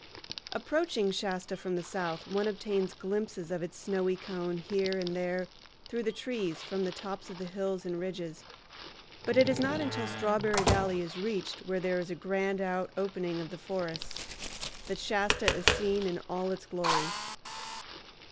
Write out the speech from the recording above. Approaching Shasta from the south, one obtains glimpses of its snowy cone here and there through the trees from the tops of hills and ridges; but it is not until Strawberry Valley is reached, where there is a grand out opening of the forests, that Shasta is seen in all its glory.